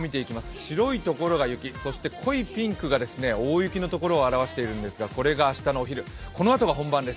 白いところがゆき、濃いピンクが大雪のところを表しているんですがこれが明日のお昼、このあとが本番です。